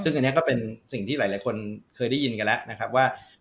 ซึ่งอันนี้ก็เป็นสิ่งที่หลายคนเคยได้ยินกันแล้วนะครับว่า